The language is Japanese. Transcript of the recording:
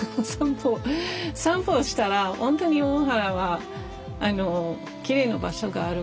散歩散歩したら本当に大原はきれいな場所があるから。